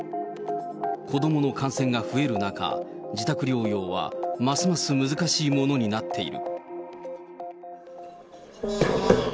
子どもの感染が増える中、自宅療養はますます難しいものになっている。